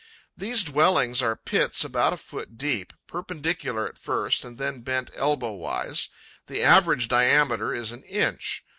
These dwellings are pits about a foot deep, perpendicular at first and then bent elbow wise. The average diameter is an inch.